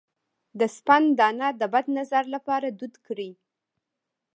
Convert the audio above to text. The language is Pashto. د سپند دانه د بد نظر لپاره دود کړئ